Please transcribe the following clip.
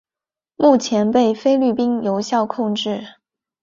目前被菲律宾有效控制。